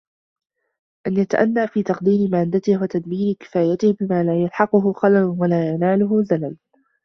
أَنْ يَتَأَنَّى فِي تَقْدِيرِ مَادَّتِهِ وَتَدْبِيرِ كِفَايَتِهِ بِمَا لَا يَلْحَقُهُ خَلَلٌ وَلَا يَنَالُهُ زَلَلٌ